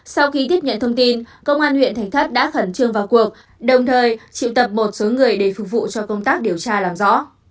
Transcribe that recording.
sau khi tiếp nhận thông tin công an huyện thạch thất đã khẩn trương vào cuộc đồng thời triệu tập một số người để phục vụ cho công tác điều tra làm rõ